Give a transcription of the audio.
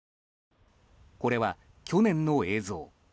これは去年の映像。